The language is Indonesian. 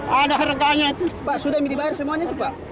pak sudah dibayar semuanya itu pak